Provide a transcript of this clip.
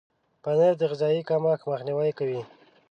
پنېر د غذایي کمښت مخنیوی کوي.